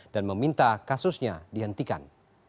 dan meminta kasusnya dihentikan